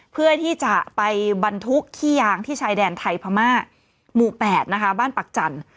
เพื่อที่จะไปบรรทุกขี้ยางที่ชายแดนไทยพม่าหมู่๘นะคะบ้านปักจันทร์